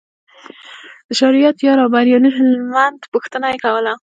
د شریعت یار او بریالي هلمند پوښتنه یې کوله.